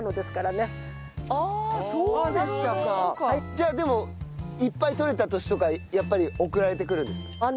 じゃあでもいっぱいとれた年とかやっぱり送られてくるんですか？